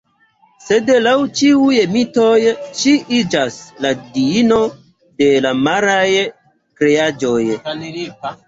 Sed laŭ ĉiuj mitoj ŝi iĝas la diino de la maraj kreaĵoj.